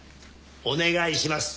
お願いします。